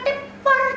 di dasar laut